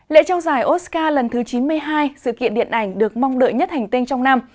lễ trao giải oscar lần thứ chín mươi hai sự kiện điện ảnh được mong đợi nhất hành tinh trong năm